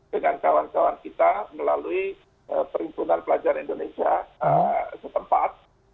dengan kawan kawan kita melalui perhimpunan pelajar indonesia setempat